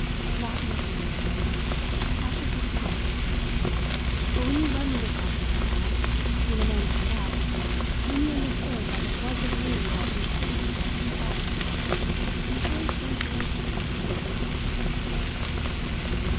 "Not murder, you say! I should think not. But when you led me to talk just now, when the name turned up, when you understood that it was of me that these things had been said, you showed a strange emotion. I could see it."